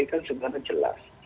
kan sebenarnya jelas